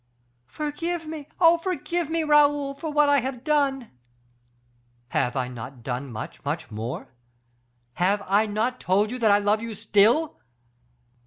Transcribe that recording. "Forgive me! oh, forgive me, Raoul, for what I have done." "Have I not done much, much more? _Have I not told you that I love you still?